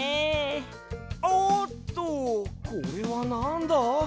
おっとこれはなんだ？